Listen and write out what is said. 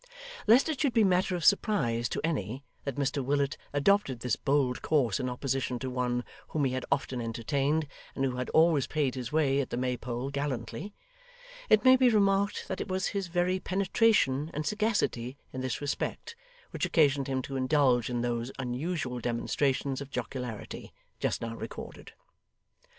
Lest it should be matter of surprise to any, that Mr Willet adopted this bold course in opposition to one whom he had often entertained, and who had always paid his way at the Maypole gallantly, it may be remarked that it was his very penetration and sagacity in this respect, which occasioned him to indulge in those unusual demonstrations of jocularity, just now recorded.